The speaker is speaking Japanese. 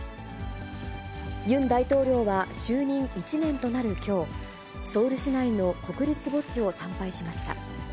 ユン大統領は就任１年となるきょう、ソウル市内の国立墓地を参拝しました。